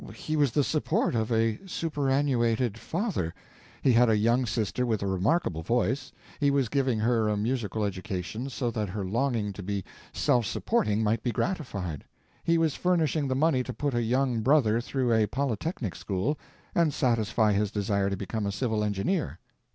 He was the support of a superannuated father. He had a young sister with a remarkable voice—he was giving her a musical education, so that her longing to be self supporting might be gratified. He was furnishing the money to put a young brother through a polytechnic school and satisfy his desire to become a civil engineer.